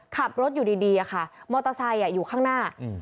ขับรถอยู่ดีอะค่ะมอเตอร์ไซค์อยู่ข้างหน้า